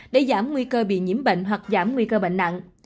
để giảm nguy cơ bị nhiễm bệnh hoặc giảm nguy cơ bệnh nặng